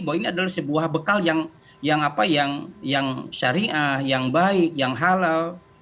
bahwa ini adalah sebuah bekal yang syariah yang baik yang halal